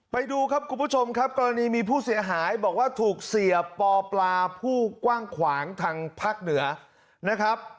ไปดูครับคุณผู้ชมครับกรณีมีผู้เสียหายบอกว่าถูกเสียปอปลาผู้กว้างขวางทางภาคเหนือนะครับ